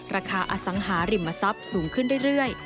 อสังหาริมทรัพย์สูงขึ้นเรื่อย